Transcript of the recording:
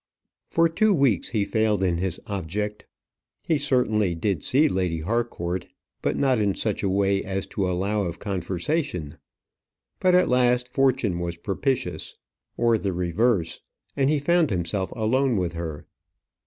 For two weeks he failed in his object. He certainly did see Lady Harcourt, but not in such a way as to allow of conversation; but at last fortune was propitious, or the reverse, and he found himself alone with her.